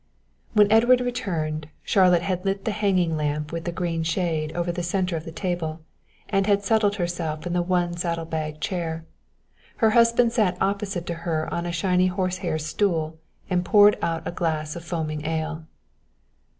When Edward returned, Charlotte had lit the hanging lamp with the green shade over the centre of the table and had settled herself in the one saddle bag chair. Her husband sat opposite to her on a shiny horsehair stool and poured out a glass of foaming ale.